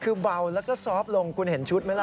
คือเบาและซอฟล์ลงคุณเห็นชุดไหม